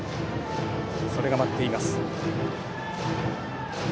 それが待っています。